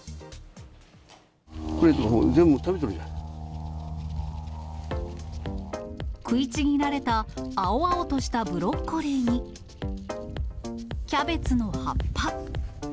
これ、食いちぎられた青々としたブロッコリーに、キャベツの葉っぱ。